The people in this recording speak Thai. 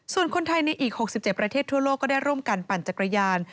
ส่วนคนไทยในอีก๖๗ประเทศทั่วโลกก็ได้ร่วมกันปั่นจักรยาน